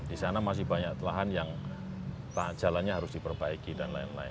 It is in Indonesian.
di sana masih banyak lahan yang jalannya harus diperbaiki dan lain lain